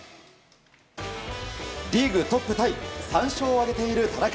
リーグトップタイ３勝を挙げている田中。